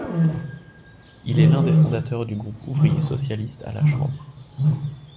Il est l'un des fondateurs du groupe ouvrier socialiste à la Chambre.